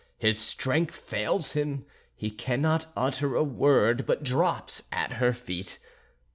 His strength fails him, he cannot utter a word, but drops at her feet.